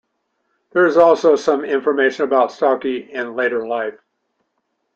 There is also some information about Stalky in later life.